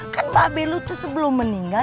kan mbak belu itu sebelum meninggal